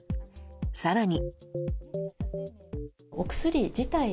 更に。